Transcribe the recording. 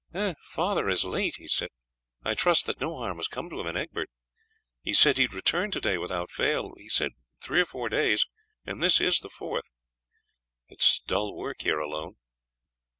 "Father is late," he said. "I trust that no harm has come to him and Egbert. He said he would return to day without fail; he said three or four days, and this is the fourth. It is dull work here alone.